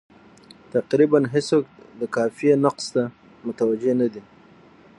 تقریبا هېڅوک د قافیې نقص ته متوجه نه دي.